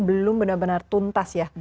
belum benar benar tuntas ya